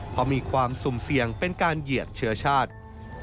เพราะมีความสุ่มเสี่ยงเป็นการเหยียดเชื้อชาติ